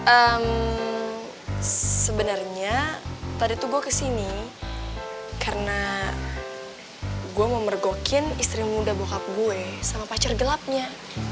ehm sebenernya tadi tuh gue kesini karena gue mau mergokin istri muda bokap gue sama pacar gelapnya